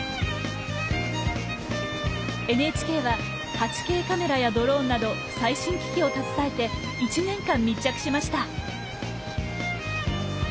ＮＨＫは８Ｋカメラやドローンなど最新機器を携えて１年間密着しました。